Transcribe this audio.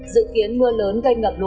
dự kiến mưa lớn gây ngậm